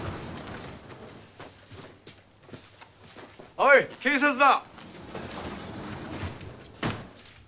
おい警察だ。